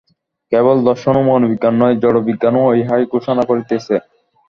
কেবল দর্শন ও মনোবিজ্ঞান নয়, জড়বিজ্ঞানও ইহাই ঘোষণা করিতেছে।